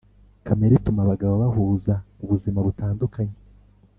kamere ituma abagabo bahuza, ubuzima butandukanya.